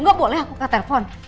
gak boleh aku angkat telpon